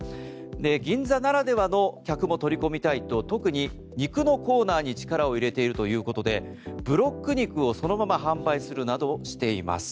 銀座ならではの客も取り込みたいと、特に肉のコーナーに力を入れているということでブロック肉をそのまま販売するなどしています。